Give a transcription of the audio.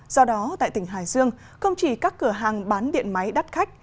do đó tại tỉnh hải dương không chỉ các cửa hàng bán điện máy đắt khách